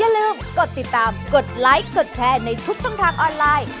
อย่าลืมกดติดตามกดไลค์กดแชร์ในทุกช่องทางออนไลน์